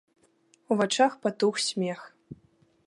У вачах патух смех.